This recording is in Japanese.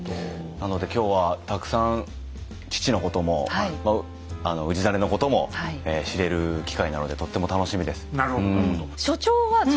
なので今日はたくさん父のことも氏真のことも知れる機会なのでとっても楽しみです。